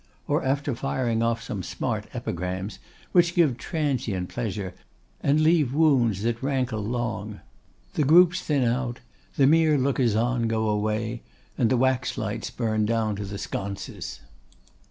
Or, after firing off some smart epigrams, which give transient pleasure, and leave wounds that rankle long, the groups thin out, the mere lookers on go away, and the waxlights burn down to the sconces.